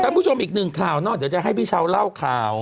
แล้วผู้ชมอีกหนึ่งข่าวเนอะเดี๋ยวจะให้พี่เช้าเล่าข่าว